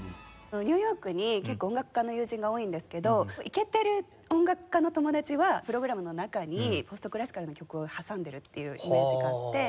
ニューヨークに結構音楽家の友人が多いんですけどイケてる音楽家の友達はプログラムの中にポストクラシカルの曲を挟んでるっていうイメージがあって。